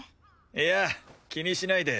いやあ気にしないで。